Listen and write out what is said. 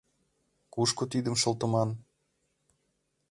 Кушко тидым шылтыман?